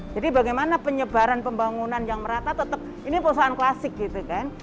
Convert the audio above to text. jadi bagaimana penyebaran pembangunan yang merata tetap ini perusahaan klasik gitu kan